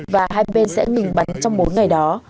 và hai bên sẽ ngừng bắn trong bốn ngày đó